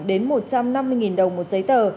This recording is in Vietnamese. đến một trăm năm mươi đồng một giấy tờ